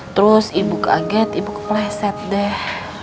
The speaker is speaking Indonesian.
terus ibu kaget ibu kepleset deh